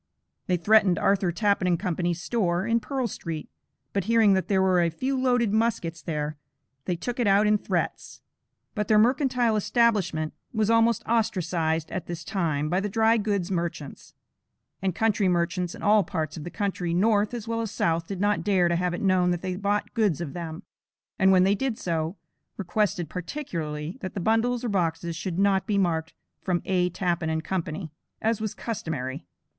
They threatened Arthur Tappan & Co's, store, in Pearl Street, but hearing that there were a few loaded muskets there, they took it out in threats. But their mercantile establishment was almost ostracised at this time, by the dry goods merchants; and country merchants in all parts of the country, north as well as south, did not dare to have it known that they bought goods of them; and when they did so, requested particularly, that the bundles or boxes, should not be marked "from A. Tappan & Co.," as was customary.